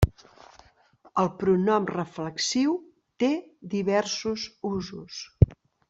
El pronom reflexiu té diversos usos.